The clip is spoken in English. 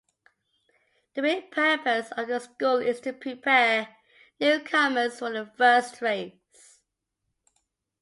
The main purpose of the school is to prepare newcomers for their first race.